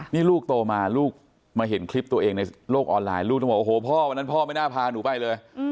นี่ลูกโตมาลูกมาเห็นคลิปตัวเองในโลกออนไลน์ลูกต้องบอกโอ้โหพ่อวันนั้นพ่อไม่น่าพาหนูไปเลย